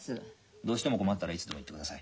どうしても困ったらいつでも言ってください。